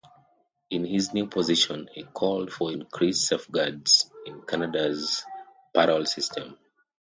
In his new position, he called for increased safeguards in Canada's parole system.